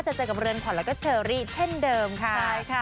เจอกับเรือนขวัญแล้วก็เชอรี่เช่นเดิมค่ะใช่ค่ะ